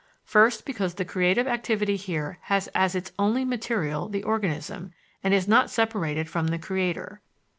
First, because the creative activity here has as its only material the organism, and is not separated from the creator.